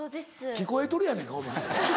聞こえとるやないかお前。